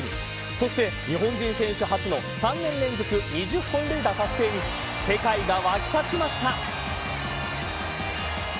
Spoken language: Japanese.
そして日本人選手初の３年連続２０本塁打達成に世界が沸き立ちました。